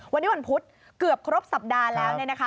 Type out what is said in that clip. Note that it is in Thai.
วันนี้วันพุธเกือบครบสัปดาห์แล้วเนี่ยนะคะ